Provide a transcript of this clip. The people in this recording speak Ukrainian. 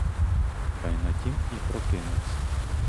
Та й на тім і прокинувсь!